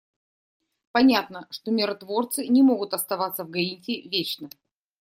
Понятно, что миротворцы не могут оставаться в Гаити вечно.